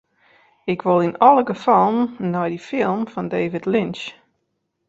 Ik wol yn alle gefallen nei dy film fan David Lynch.